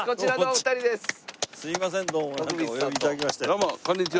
どうもこんにちは。